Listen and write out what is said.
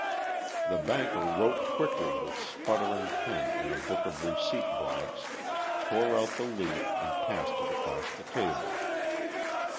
The banker wrote quickly with sputtering pen in a book of receipt blanks, tore out the leaf and passed it across the table.